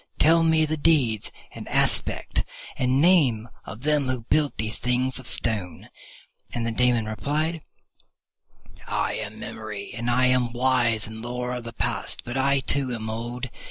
Tell me the deeds and aspect and name of them who built these things of Stone." And the Daemon replied, "I am Memory, and am wise in lore of the past, but I too am old.